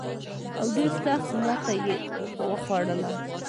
او ډېره سخته ماته یې وخوړه.